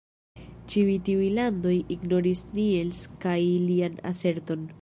Ĉiuj tiuj landoj ignoris Niels kaj lian aserton.